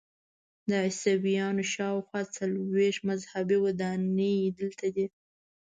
د عیسویانو شاخوا څلویښت مذهبي ودانۍ دلته دي.